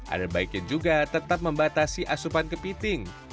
ada baiknya juga tetap membatasi asupan kepiting